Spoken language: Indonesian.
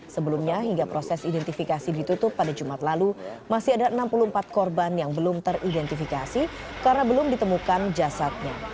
sebelumnya hingga proses identifikasi ditutup pada jumat lalu masih ada enam puluh empat korban yang belum teridentifikasi karena belum ditemukan jasadnya